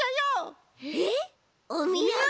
えっおみやげ！？